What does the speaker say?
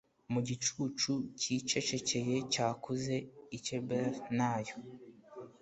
Mu gicucu cyicecekeye cyakuze Iceberg nayo.